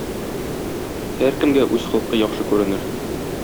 Һәркемгә үз холкы яхшы күренер.